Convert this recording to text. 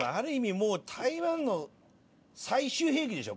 もう台湾の最終兵器でしょ。